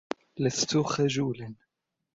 لست خجولا.